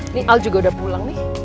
ini al juga udah pulang nih